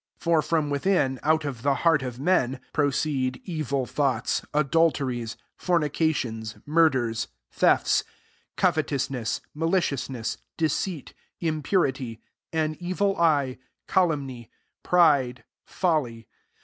21 For from within, out of the heart of men, proceed evil thought^ adulteries, fornications, mur*' ders, thefts, 22 covetousness, maliciousness, deceit, impurity, an evil eye, calumny, pride, lol ly.